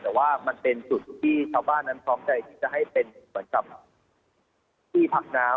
แต่ว่ามันเป็นจุดที่ชาวบ้านนั้นพร้อมใจที่จะให้เป็นเหมือนกับที่พักน้ำ